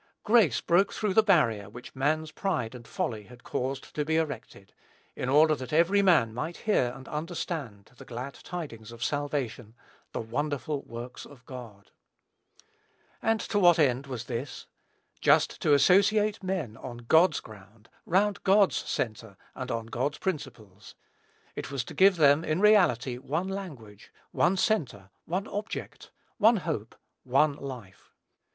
Grace broke through the barrier which man's pride and folly had caused to be erected, in order that every man might hear and understand the glad tidings of salvation, "the wonderful works of God." And to what end was this? Just to associate men on God's ground, round God's centre, and on God's principles. It was to give them, in reality, one language, one centre, one object, one hope, one life.